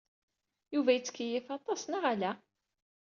Yuba yettkeyyif aṭaṣ, neɣ ala?